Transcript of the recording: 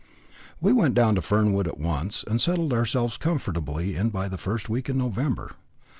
We went down to Fernwood at once, and settled ourselves comfortably in by the first week in November.